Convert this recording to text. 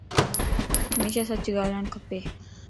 ھميشا سچ ڳالاڙ کپ